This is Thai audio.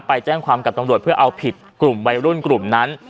ไปแจ้งความกับตำรวจเพื่อเอาผิดกลุ่มวัยรุ่นกลุ่มนั้น